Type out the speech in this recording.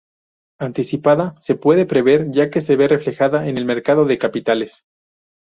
Anticipada: se puede prever, ya que se ve reflejada en el mercado de capitales.